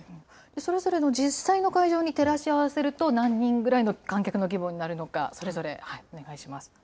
それぞれの実際の会場に照らし合わせると、何人ぐらいの観客の規模になるのか、それぞれお願いします。